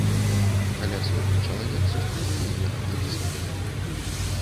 Каля сотні чалавек сустрэлі яе апладысментамі.